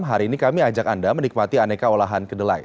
hari ini kami ajak anda menikmati aneka olahan kedelai